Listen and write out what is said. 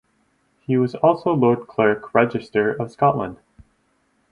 He was also Lord Clerk Register of Scotland.